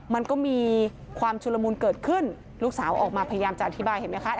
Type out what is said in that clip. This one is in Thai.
มันก็มีความชุลมูลเกิดขึ้นลูกสาวออกมาพยายามจะอธิบายเห็นไหมคะ